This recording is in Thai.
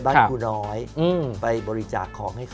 แมทโอปอล์